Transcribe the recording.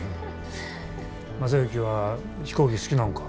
正行は飛行機好きなんか？